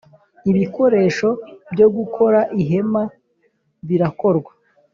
Ibikoresho byo gukora ihema birakorwa.